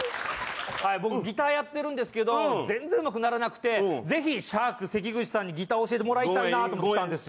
僕、ギターやってるんですけど、全然うまくならなくて、ぜひシャーク関口さんにギターを教えてれらいたいなと思って来たんですよ。